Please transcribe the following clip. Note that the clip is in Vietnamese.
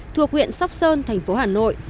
thuộc huyện sóc sơn thành phố hà nội